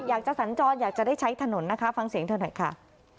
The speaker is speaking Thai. สัญจรอยากจะได้ใช้ถนนนะคะฟังเสียงเธอหน่อยค่ะ